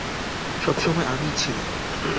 সবসময় আমিই ছিলাম।